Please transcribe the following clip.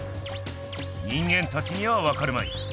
人間たちにはわかるまい。